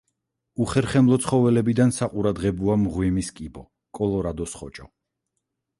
უხერხემლო ცხოველებიდან საყურადრებოა მღვიმის კიბო, კოლორადოს ხოჭო.